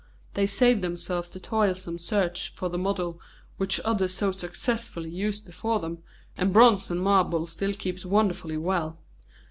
They save themselves the toilsome search for the model which others so successfully used before them, and bronze and marble still keep wonderfully well.